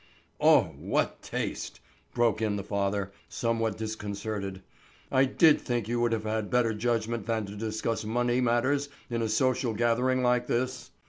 "Oh, what taste!" broke in the father, somewhat disconcerted. "I did think you would have better judgment than to discuss money matters in a social gathering like this.